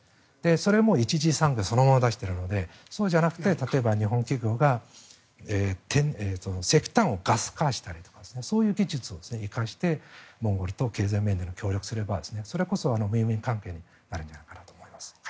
それも一次産業そのまま出してるのでそうじゃなくて例えば日本企業が石炭をガス化したりとかそういう技術を生かしてモンゴルと経済面で協力すればそれこそウィンウィン関係になるんじゃないかなと思います。